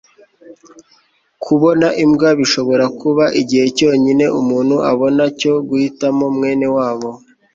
kubona imbwa bishobora kuba igihe cyonyine umuntu abona cyo guhitamo mwene wabo